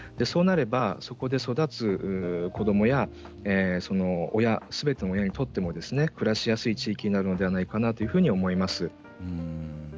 そうなれば、そこで育つ子どもやその親、すべての親にとっても暮らしやすい地域になるのではないかなと思います。